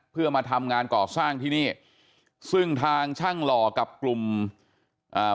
เพื่อมาทำงานก่อสร้างที่นี่ซึ่งทางช่างหล่อกับกลุ่มอ่า